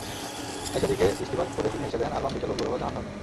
তাই সেদিকে দৃষ্টিপাত করে তিনি হেসে দেন আর বামদিকের লোকগুলো হলো জাহান্নামী।